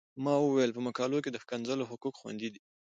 ما ویل په مقالو کې د ښکنځلو حقوق خوندي دي.